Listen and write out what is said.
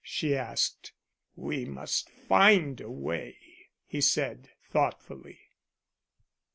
she asked. "We must find a way," he said thoughtfully.